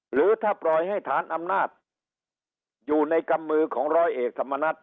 หรือถ้าปล่อยให้ฐานอำนาจอยู่ในกำมือของร้อยเอกธรรมนัฐ